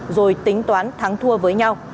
rồi tính toán thắng thua với nhau